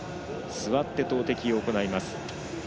座って投てきを行います。